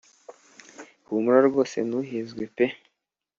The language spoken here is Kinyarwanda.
humura rwose ntuhenzwe pee